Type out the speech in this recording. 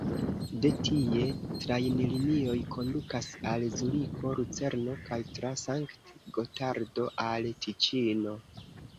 De tie trajnlinioj kondukas al Zuriko, Lucerno kaj tra Sankt-Gotardo al Tiĉino.